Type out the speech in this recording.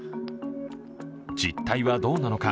実態はどうなのか。